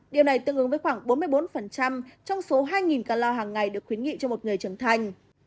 điều này tương ứng với khoảng bốn mươi bốn trong số hai calor hàng ngày được khuyến nghị cho một người trưởng thành